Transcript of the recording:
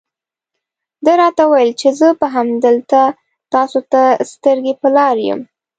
ده راته وویل چې زه به همدلته تاسو ته سترګې په لار یم.